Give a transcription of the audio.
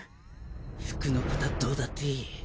服のこたどうだっていい。